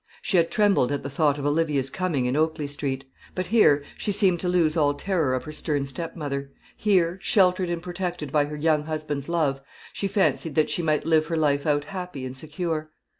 She had trembled at the thought of Olivia's coming in Oakley Street; but here she seemed to lose all terror of her stern stepmother, here, sheltered and protected by her young husband's love, she fancied that she might live her life out happy and secure.